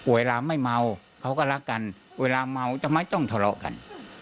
เวลาไม่เมาเขาก็รักกันเวลาเมาจะไม่ต้องทะเลาะกัน